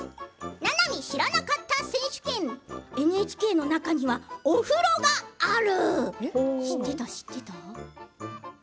ななみ知らなかった選手権ＮＨＫの中にはお風呂がある。